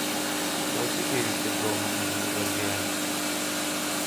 بۆچی پێویستت بەو هەموو جلوبەرگەیە؟